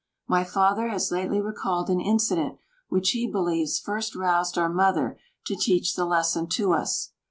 My Father has lately recalled an incident which he believes first roused our Mother to teach the lesson to us.